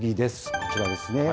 こちらですね。